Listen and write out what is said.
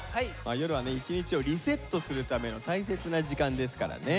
夜はね一日をリセットするための大切な時間ですからね。